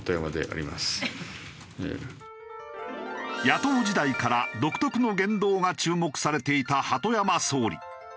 野党時代から独特の言動が注目されていた鳩山総理。